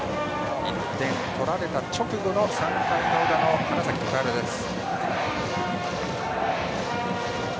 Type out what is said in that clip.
１点取られた直後の３回の裏の花咲徳栄です。